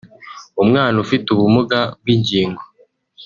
umwana ufite ubumuga bw’ingingo